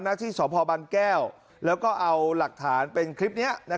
นักศิษย์ส่อพบันแก้วแล้วก็เอาหลักฐานเป็นคลิปนี้นะครับ